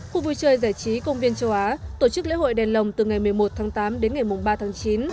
khu vui chơi giải trí công viên châu á tổ chức lễ hội đèn lồng từ ngày một mươi một tháng tám đến ngày ba tháng chín